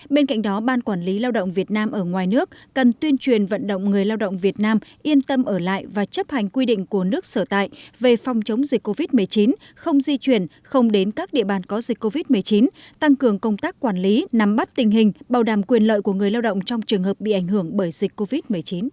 bên cạnh đó ban quản lý lao động việt nam ở ngoài nước cần tuyên truyền vận động người lao động việt nam yên tâm ở lại và chấp hành quy định của nước sở tại về phòng chống dịch covid một mươi chín không di chuyển không đến các địa bàn có dịch covid một mươi chín tăng cường công tác quản lý nắm bắt tình hình bảo đảm quyền lợi của người lao động trong trường hợp bị ảnh hưởng bởi dịch covid một mươi chín